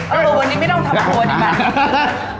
เออวันนี้ไม่ต้องทำโทษมา